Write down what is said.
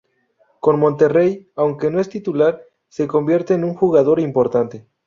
Con Monterrey, aunque no es titular, se convierte en un jugador importante.